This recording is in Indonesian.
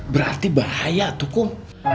berarti bahaya tuh akun